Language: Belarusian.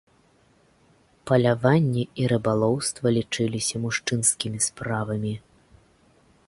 Паляванне і рыбалоўства лічыліся мужчынскімі справамі.